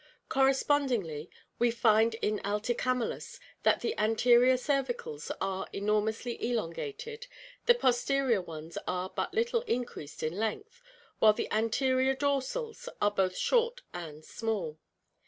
Correspondingly we find in AUicamelus that the anterior cervicals are enormously elongated, the posterior ones are but little increased in length, while the anterior dorsals are both short and small.